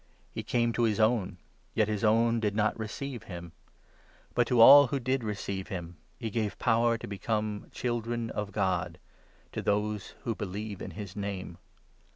He came to his own — 1 1 Yet his own did not receive him. But to all who did receive him he gave power to become 12 Children of God — To those who believe in his Name.